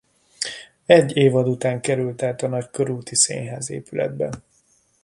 Egy évad után került át a nagykörúti színházépületbe.